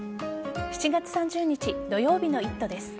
７月３０日土曜日の「イット！」です。